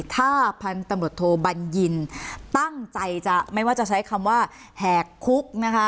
ถ้าพันธุ์ตำรวจโทบัญญินตั้งใจจะไม่ว่าจะใช้คำว่าแหกคุกนะคะ